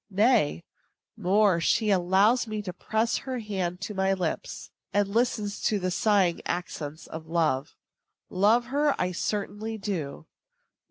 Nay, more; she allows me to press her hand to my lips, and listens to the sighing accents of love. Love her I certainly do.